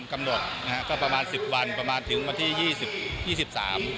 กำหนดนะฮะก็ประมาณสิบวันประมาณถึงวันที่ยี่สิบยี่สิบสาม